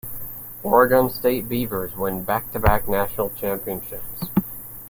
Oregon State Beavers win back to back National Championships.